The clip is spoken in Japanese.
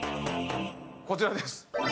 こちらです。